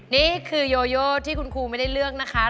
นี่คือโยโยที่คุณครูไม่ได้เลือกนะคะ